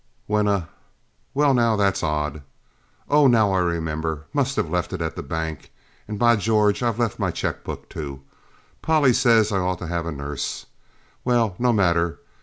when a well now that's odd Oh, now I remember, must have left it at the bank; and b'George I've left my check book, too Polly says I ought to have a nurse well, no matter.